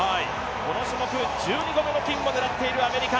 この種目１２個目の金を狙っているアメリカ。